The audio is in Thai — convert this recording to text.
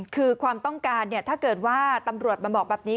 คือความต้องการถ้าเกิดว่าตำรวจมาบอกแบบนี้